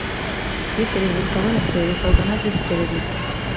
iyo perezida atabonetse bikorwa na visi perezida